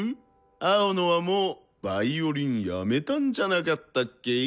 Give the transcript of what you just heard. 青野はもうヴァイオリンやめたんじゃなかったっけ？